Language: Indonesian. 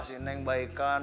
si neng baikkan